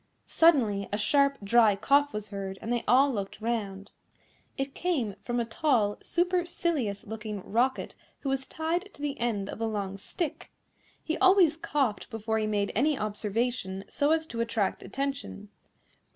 Suddenly, a sharp, dry cough was heard, and they all looked round. It came from a tall, supercilious looking Rocket, who was tied to the end of a long stick. He always coughed before he made any observation, so as to attract attention.